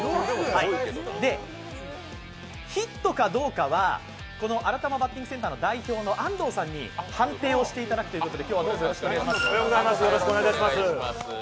で、ヒットかどうかは、このあらたまバッティングセンターの代表の安藤さんに判定をしていただくということでどうぞよろしくお願いします。